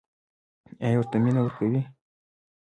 ایا ورته مینه ورکوئ؟